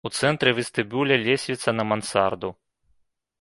У цэнтры вестыбюля лесвіца на мансарду.